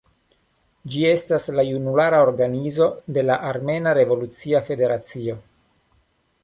Ĝi estas la junulara organizo de la Armena Revolucia Federacio.